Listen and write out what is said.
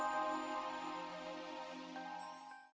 kalo diambil semua